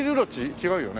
違うよね。